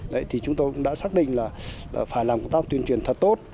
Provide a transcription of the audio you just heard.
đấy thì chúng tôi cũng đã xác định là phải làm công tác tuyên truyền thật tốt